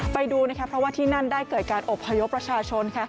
ไปดูเพราะว่าที่นั่นได้เกิดการอบพยพประชาชน